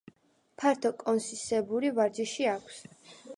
ფართო კონუსისებური ვარჯი აქვს.